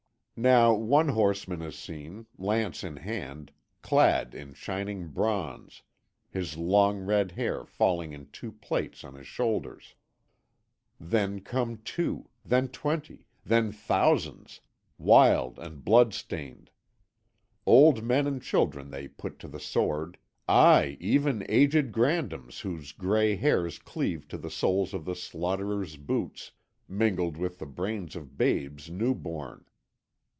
"Now one horseman is seen, lance in hand, clad in shining bronze, his long red hair falling in two plaits on his shoulders. Then come two, then twenty, then thousands, wild and blood stained; old men and children they put to the sword, ay, even aged grandams whose grey hairs cleave to the soles of the slaughterer's boots, mingled with the brains of babes new born.